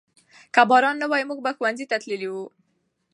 که باران نه وای موږ به ښوونځي ته تللي وو.